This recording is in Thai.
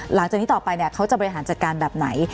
หลังจากนี้ต่อไปเนี่ยเขาจะบริหารจัดการแบบไหน